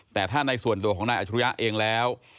แต่ถ้าในส่วนตัวของนายอัชรุยะเองแล้ว